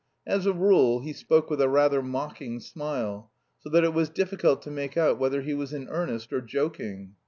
As a rule he spoke with a rather mocking smile, so that it was difficult to make out whether he was in earnest or joking.